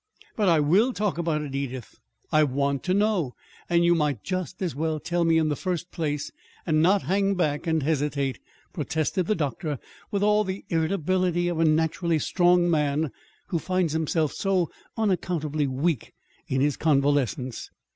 "But I will talk about it, Edith. I want to know and you might just as well tell me in the first place, and not hang back and hesitate," protested the doctor, with all the irritability of a naturally strong man who finds himself so unaccountably weak in his convalescence.